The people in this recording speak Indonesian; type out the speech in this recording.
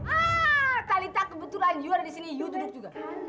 ah kali tak kebetulan yu ada di sini yu duduk juga